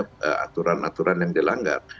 tidak ada aturan aturan yang dilanggar